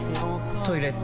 トイレ